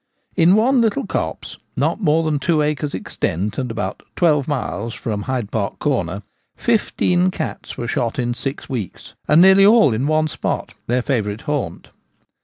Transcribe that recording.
In one little copse not more than two acres in extent, and about twelve miles from Hyde Park Corner, fifteen cats were shot in six weeks, and nearly all in one spot — their favourite haunt.